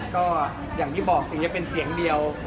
ก็อย่างที่บอกถึงจะเป็นเสียงเดียว